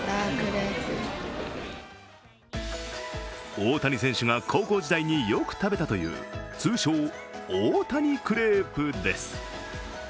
大谷選手が高校時代によく食べたという通称・大谷クレープです。